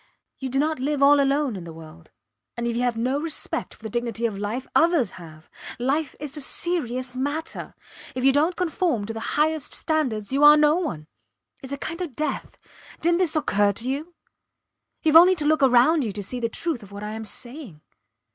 You do not live all alone in the world and if you have no respect for the dignity of life, others have. Life is a serious matter. If you dont conform to the highest standards you are no one its a kind of death. Didnt this occur to you? Youve only to look round you to see the truth of what I am saying.